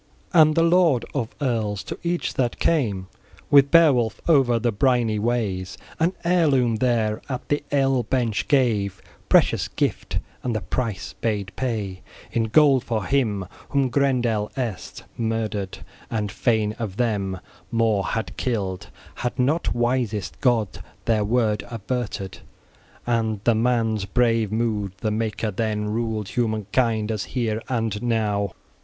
XVI AND the lord of earls, to each that came with Beowulf over the briny ways, an heirloom there at the ale bench gave, precious gift; and the price {16a} bade pay in gold for him whom Grendel erst murdered, and fain of them more had killed, had not wisest God their Wyrd averted, and the man's {16b} brave mood. The Maker then ruled human kind, as here and now.